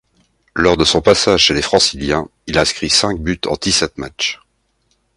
Lors de son passage chez les franciliens, il inscrit cinq buts en dix-sept matchs.